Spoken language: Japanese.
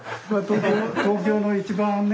東京の一番ね